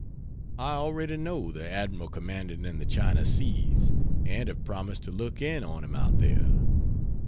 I already know the Admiral commanding in the China Seas and have promised to look in on him out there.